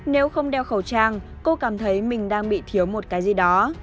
nếu không đeo khẩu trang cô cảm thấy mình đang bị thiếu một cái gì đó